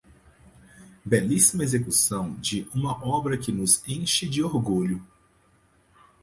Belíssima execução de uma obra que nos enche de orgulho